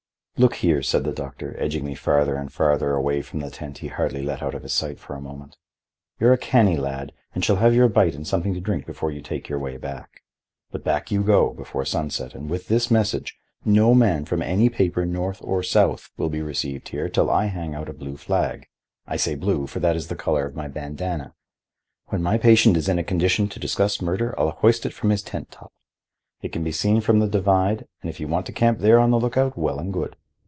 "Look here," said the doctor, edging me farther and farther away from the tent he hardly let out of his sight for a moment. "You're a canny lad, and shall have your bite and something to drink before you take your way back. But back you go before sunset and with this message: No man from any paper north or south will be received here till I hang out a blue flag. I say blue, for that is the color of my bandana. When my patient is in a condition to discuss murder I'll hoist it from his tent top. It can be seen from the divide, and if you want to camp there on the lookout, well and good.